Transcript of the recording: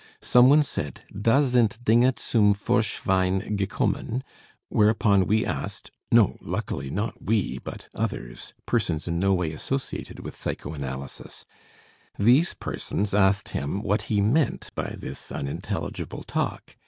Someone said: "Da sind dinge zum vorschwein gekommen," whereupon we asked no, luckily, not we, but others, persons in no way associated with psychoanalysis these persons asked him what he meant by this unintelligible talk.